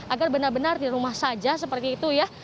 agar benar benar di rumah saja seperti itu ya